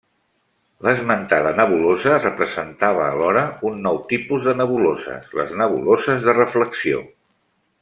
L'esmentada nebulosa representava alhora un nou tipus de nebuloses, les nebuloses de reflexió.